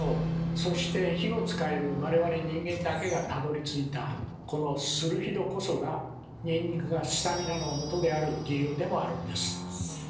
そして火を使える我々人間だけがたどりついたこのスルフィドこそがニンニクがスタミナのもとである理由でもあるんです。